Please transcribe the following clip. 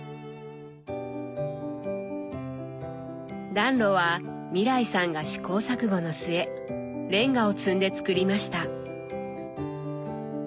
暖炉は未來さんが試行錯誤の末レンガを積んで造りました。